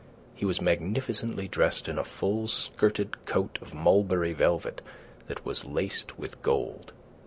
He was magnificently dressed in a full skirted coat of mulberry velvet that was laced with gold.